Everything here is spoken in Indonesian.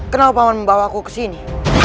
kenapa paman membawaku kesini